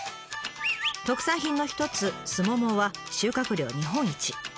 特産品の一つスモモは収穫量日本一。